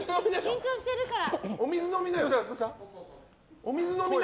緊張してるから。